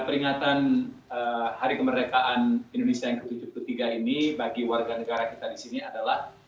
peringatan hari kemerdekaan indonesia yang ke tujuh puluh tiga ini bagi warga negara kita di sini adalah